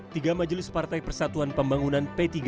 tiga majelis partai persatuan pembangunan p tiga